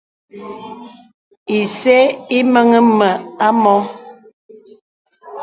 Ìsə̄ ìməŋì mə à mɔ.